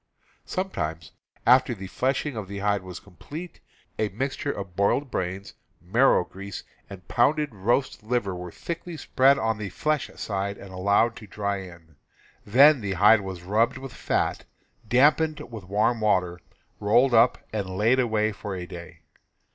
Sometimes, after the fleshing of the hide was completed, a mixture of boiled brains, marrow grease, and pounded roast liver was thickly spread on the flesh side and allowed to dry in; then the hide was rubbed with fat, dampened with warm water, rolled up and laid away for a day.